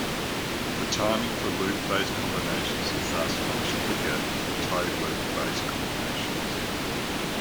The timing for loop-based combinations is thus much quicker than toe-loop-based combinations.